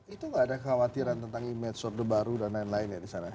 itu gak ada khawatiran tentang image order baru dan lain lain ya disana